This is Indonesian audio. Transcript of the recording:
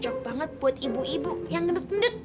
cocok banget buat ibu ibu yang gendut gendut